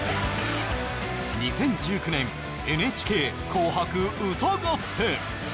２０１９年「ＮＨＫ紅白歌合戦」。